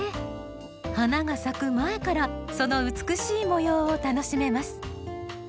花が咲く前からその美しい模様を楽しめます。